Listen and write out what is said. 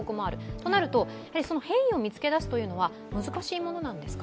となるとその変異を見つけ出すというのは難しいものなんですか？